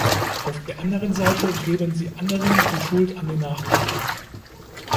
Auf der anderen Seite geben sie anderen die Schuld an den Nachteilen.